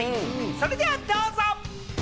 それではどうぞ。